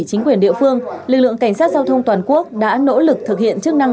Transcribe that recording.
chính quyền địa phương lực lượng cảnh sát giao thông toàn quốc đã nỗ lực thực hiện chức năng